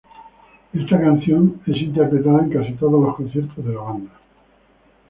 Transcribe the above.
Esta canción es interpretada en casi todos los conciertos de la banda.